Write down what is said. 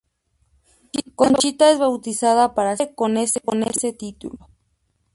Conchita es bautizada para siempre con ese título.